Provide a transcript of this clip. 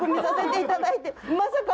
まさか。